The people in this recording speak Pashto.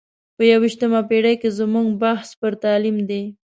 په یو ویشتمه پېړۍ کې زموږ بحث پر تعلیم دی.